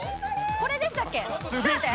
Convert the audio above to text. これでしたっけ？